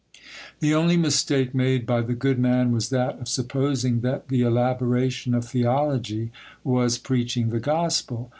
The only mistake made by the good man was that of supposing that the elaboration of theology was preaching the gospel.